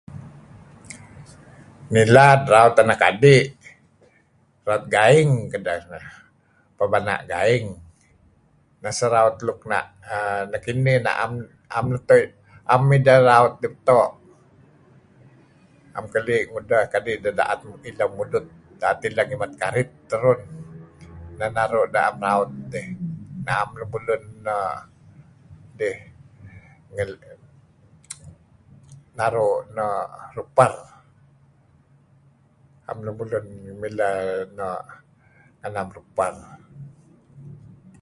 Ngilad raut anak adi', raut gaing kedeh neh, peh pana' gaing neh sah raut luk na'. Nekinih, 'am ideh raut neto', 'am keli' ngudeh kadi' ideh da'et mudut da'et ileh ngimet karit terun neh naru' deh na'em raut dih. na'am lemulun err mileh naru' nuper, 'am lemulun mileh no' [unintelligible] nuper.